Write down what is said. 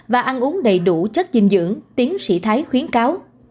và ăn uống đầy đủ chất dinh dưỡng tiến sĩ thái khuyến cáo